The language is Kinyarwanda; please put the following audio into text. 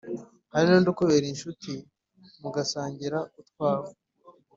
Hari n’undi ukubera incuti mugasangira utwawe